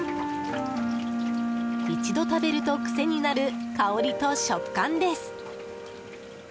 一度食べると癖になる香りと食感です。